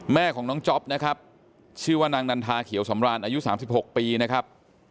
แม่ของน้องจ๊อปนะครับชื่อว่านางนันทาเขียวสำราญอายุ๓๖ปีนะครับ